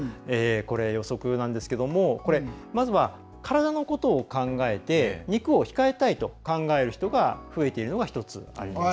予測なんですけれどもまずは体のことを考えて肉を控えたいと考える人が増えているのが１つあります。